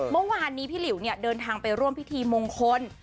เมื่อวานนี้พี่หลิวเนี่ยเดินทางไปร่วมพิธีมงคล